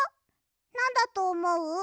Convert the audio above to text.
なんだとおもう？